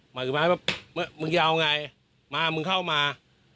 หมายถึงว่ามึงจะเอาไงมามึงเข้ามา